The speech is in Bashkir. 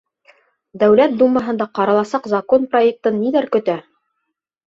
Дәүләт Думаһында ҡараласаҡ закон проектын ниҙәр көтә?